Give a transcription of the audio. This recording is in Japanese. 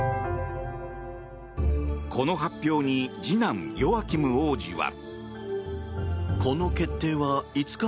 この発表に次男ヨアキム王子は。